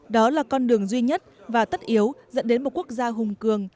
đó là con đường duy nhất và tất yếu dẫn đến một quốc gia hùng cường